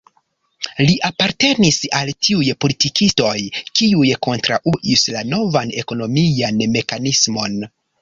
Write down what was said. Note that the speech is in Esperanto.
Li apartenis al tiuj politikistoj, kiuj kontraŭis la novan ekonomian mekanismon.